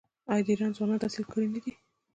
آیا د ایران ځوانان تحصیل کړي نه دي؟